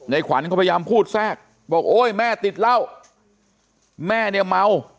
ขวัญก็พยายามพูดแทรกบอกโอ๊ยแม่ติดเหล้าแม่เนี่ยเมา